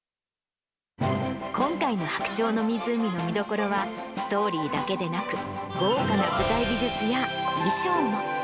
今回の白鳥の湖の見どころは、ストーリーだけでなく、豪華な舞台美術や衣装も。